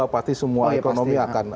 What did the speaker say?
pasti semua ekonomi akan